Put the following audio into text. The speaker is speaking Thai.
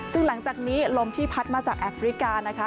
ซึ่งหลังจากนี้ลมที่พัดมาจากแอฟริกานะคะ